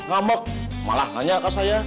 ngamek malah nanya ke saya